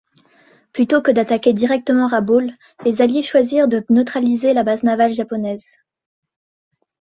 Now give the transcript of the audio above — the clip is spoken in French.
Plutôt que d'attaquer directement Rabaul, les Alliés choisirent de neutraliser la base navale japonaise.